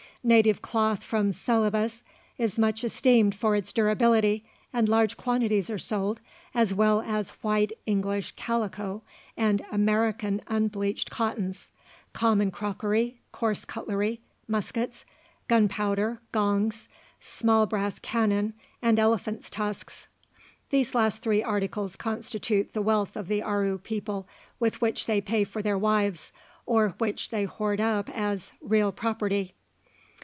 Native cloth from Celebes is much esteemed for its durability, and large quantities are sold, as well as white English calico and American unbleached cottons, common crockery, coarse cutlery, muskets, gunpowder, gongs, small brass cannon, and elephants' tusks. These three last articles constitute the wealth of the Aru people, with which they pay for their wives, or which they hoard up as "real property."